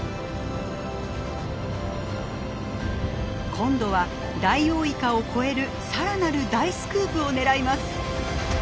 今度はダイオウイカを超えるさらなる大スクープを狙います。